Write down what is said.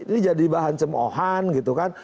ini jadi bahan cemohan gitu kan